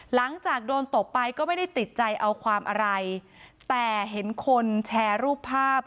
หลังจากโดนตบไปก็ไม่ได้ติดใจเอาความอะไรแต่เห็นคนแชร์รูปภาพ